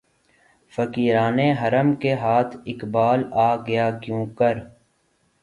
فقیران حرم کے ہاتھ اقبالؔ آ گیا کیونکر